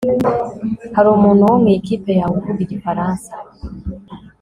Hari umuntu wo mu ikipe yawe uvuga igifaransa